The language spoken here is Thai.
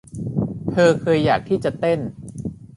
เธอเคยอยากที่จะเต้น